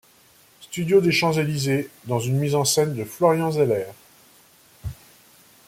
Studio des Champs-Elysées, dans une mise en scène de Florian Zeller.